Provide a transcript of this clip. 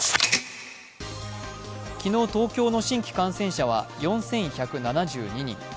昨日、東京の新規感染者は４１７２人。